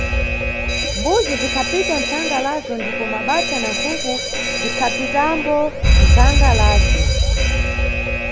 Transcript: Mbuzi zikhapita nʼthanga lazo ndipo mabatha na nkhuku bzikhapitambo nʼthanga lazo.